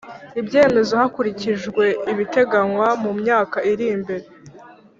ibyemezo hakurikijwe ibiteganywa mu myaka iri mbere